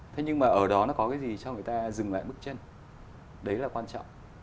thế nhưng mà ở đó nó có cái gì cho người ta dừng lại bước chân đấy là quan trọng